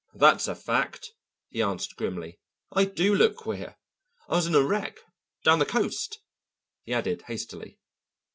"That's a fact," he answered grimly. "I do look queer. I was in a wreck down the coast," he added hastily.